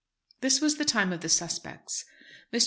This was the time of the "suspects." Mr.